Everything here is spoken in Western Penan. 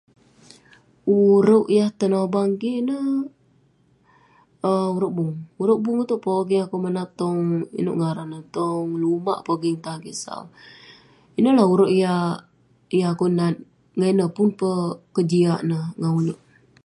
Urouk yah tenobang kik ineh um urouk bung. Urouk bung ineh pongah tan kik tong inouk ngaran neh tong lumak, pogeng tan kik sau. Ineh lah urouk yah akouk nat, pongah ineh pun kejiak neh ngan ulouk.